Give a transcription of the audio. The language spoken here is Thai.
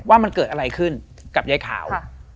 ว่ามันเกิดอะไรขึ้นกับยายขาว